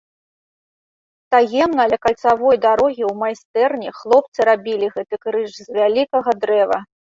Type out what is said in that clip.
Таемна ля кальцавой дарогі ў майстэрні хлопцы рабілі гэты крыж з вялікага дрэва.